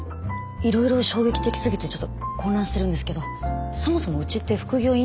いろいろ衝撃的すぎてちょっと混乱してるんですけどそもそもうちって副業いいんでしたっけ？